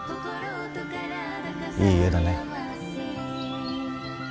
いい絵だね。